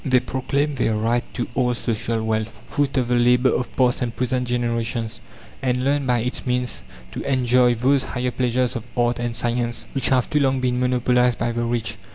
They proclaim their right to all social wealth fruit of the labour of past and present generations and learn by its means to enjoy those higher pleasures of art and science which have too long been monopolized by the rich.